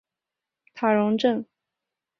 县政府驻塔荣镇。